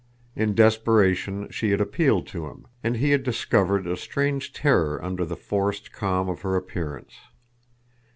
In desperation she had appealed to him, and he had discovered a strange terror under the forced calm of her appearance.